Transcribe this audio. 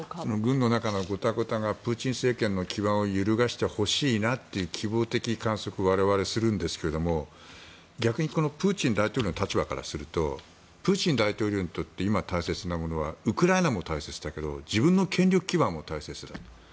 軍の中のごたごたがプーチン政権の基盤を揺るがしてほしいなという希望的観測を我々するんですが逆に、プーチン大統領の立場からするとプーチン大統領にとって今、大切なものはウクライナも大切だけど自分の権力基盤も大切だと。